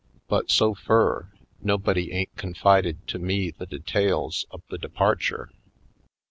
But so fur, nobody ain't confided to me the details of the departure."